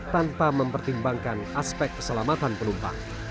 tanpa mempertimbangkan aspek keselamatan penumpang